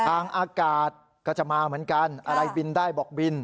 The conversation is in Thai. ทางอากาศก็จะมาเหมือนกันอะไรบินได้บอกบิน